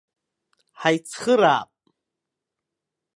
Ҳаицхыраап.